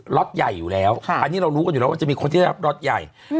็อตใหญ่อยู่แล้วอันนี้เรารู้กันอยู่แล้วว่าจะมีคนที่ได้รับล็อตใหญ่